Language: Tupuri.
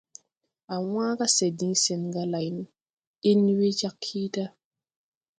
Á wãã ga se diŋ sɛn ga lay, ɗen we jag kiida.